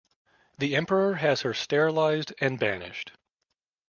The emperor has her sterilized and banished.